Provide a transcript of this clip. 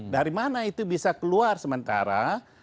dari mana itu bisa keluar sementara